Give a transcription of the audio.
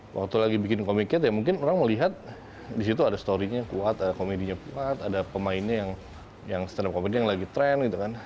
waktu lagi bikin komiknya mungkin orang melihat disitu ada story nya kuat ada komedinya kuat ada pemainnya yang stand up komedi yang lagi tren